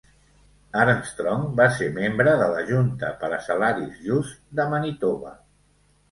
Armstrong va ser membre de la Junta per a Salaris Justs de Manitoba.